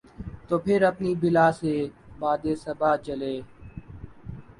تو پھر اپنی بلا سے کہ باد صبا چلے۔